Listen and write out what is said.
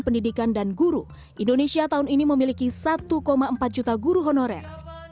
pendidikan dan guru indonesia tahun ini memiliki satu empat juta guru honorer